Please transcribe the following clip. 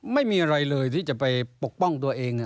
ไม่มีอะไรเลยที่จะไปปกป้องตัวเอง